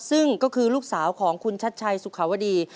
ซึ่งก็คือลูกสาวของคุณชัดชัยสุขาวดี